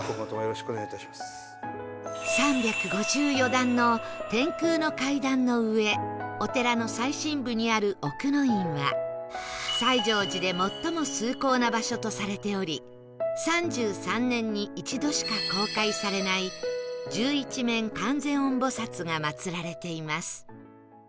３５４段の天空の階段の上お寺の最深部にある奥の院は最乗寺で最も崇高な場所とされており３３年に一度しか公開されない十一面観世音菩薩が祀られています